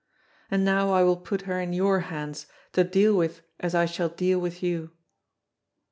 And now I will put her in your hands, to deal with as I shall deal with you."